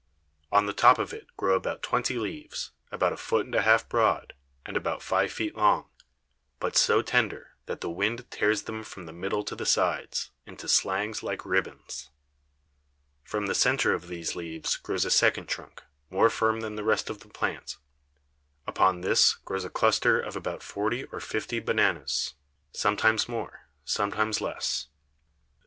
On the top of it grow about twenty Leaves, about a Foot and a half broad, and about five Feet long; but so tender, that the Wind tears them from the Middle to the Sides, into Slangs like Ribbons: From the Center of these Leaves grows a second Trunk, more firm than the rest of the Plant: upon this grows a Cluster of about forty or fifty Bananes, sometimes more, sometimes less.